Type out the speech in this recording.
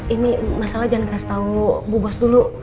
ini masalah jangan kasih tahu bu bos dulu